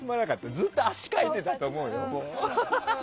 ずっと、足かいてたと思うよ。